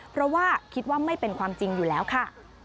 เพราะว่าคิดว่าไม่เป็นความจริงอยู่แล้วค่ะ